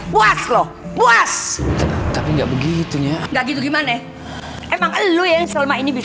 puas lho puas tapi nggak begitu ya nggak gitu gimane emang lu yang selma ini bisa